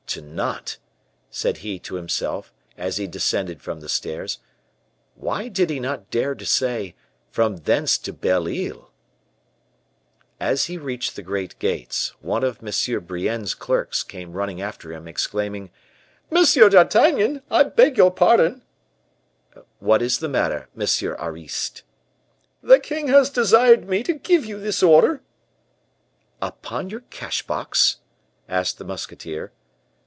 "To Nantes!" said he to himself, as he descended from the stairs. "Why did he not dare to say, from thence to Belle Isle?" As he reached the great gates, one of M. Brienne's clerks came running after him, exclaiming, "Monsieur d'Artagnan! I beg your pardon " "What is the matter, Monsieur Ariste?" "The king has desired me to give you this order." "Upon your cash box?" asked the musketeer.